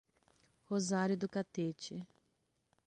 Rosário do Catete